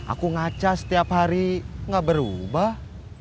aku ngaca setiap hari gak berubah